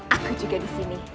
aku juga disini